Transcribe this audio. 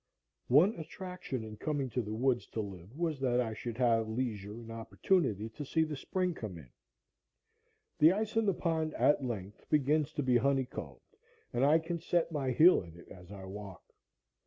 One attraction in coming to the woods to live was that I should have leisure and opportunity to see the spring come in. The ice in the pond at length begins to be honey combed, and I can set my heel in it as I walk.